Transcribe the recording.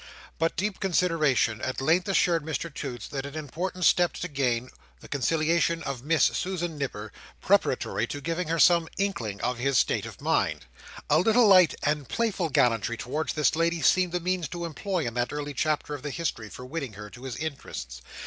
But deep consideration at length assured Mr Toots that an important step to gain, was, the conciliation of Miss Susan Nipper, preparatory to giving her some inkling of his state of mind. A little light and playful gallantry towards this lady seemed the means to employ in that early chapter of the history, for winning her to his interests.